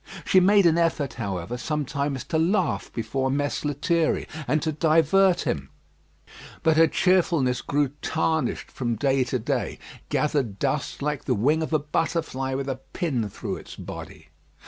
She made an effort, however, sometimes to laugh before Mess Lethierry and to divert him; but her cheerfulness grew tarnished from day to day gathered dust like the wing of a butterfly with a pin through its body.